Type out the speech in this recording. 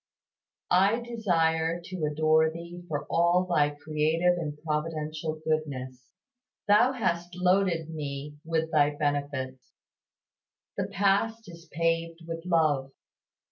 I desire to adore Thee for all Thy creative and providential goodness. Thou hast loaded me with Thy benefits. The past is paved with love.